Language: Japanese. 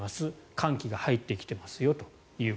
寒気が入ってきていますよと。